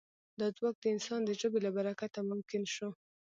دا ځواک د انسان د ژبې له برکته ممکن شو.